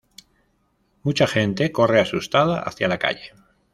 Mucha gente corre asustada hacia la calle.